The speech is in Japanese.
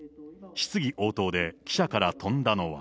質疑応答で記者から飛んだのは。